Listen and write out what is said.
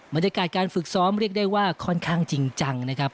บรรยากาศการฝึกซ้อมเรียกได้ว่าค่อนข้างจริงจังนะครับ